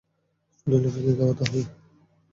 পেনেলোপি-কে খাওয়াতে হবে।